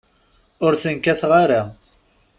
Ur ten-kkateɣ ara.